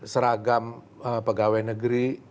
seragam pegawai negeri